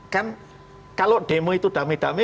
kan kalau demo itu dame dame